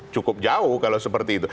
cukup jauh kalau seperti itu